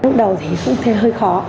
lúc đầu thì cũng thấy hơi khó